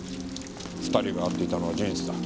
２人が会っていたのは事実だ。